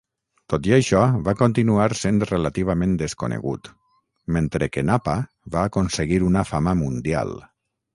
Tot i això, va continuar sent relativament desconegut, mentre que Napa va aconseguir una fama mundial.